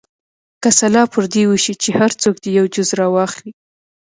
که سلا پر دې وشي چې هر څوک دې یو جز راواخلي.